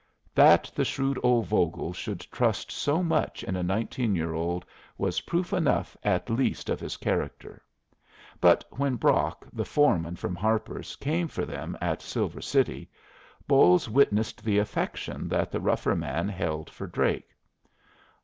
That the shrewd old Vogel should trust so much in a nineteen year old was proof enough at least of his character; but when Brock, the foreman from Harper's, came for them at Silver City, Bolles witnessed the affection that the rougher man held for Drake.